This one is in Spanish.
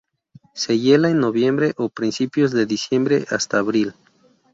Se hiela en noviembre o principios de diciembre hasta abril.